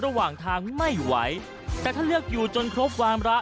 ระหว่างทางไม่ไหวแต่ถ้าเลือกอยู่จนครบวามระ